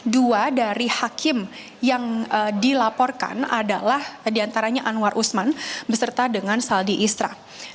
dua dari hakim yang dilaporkan adalah diantaranya anwar usman beserta dengan saldi isra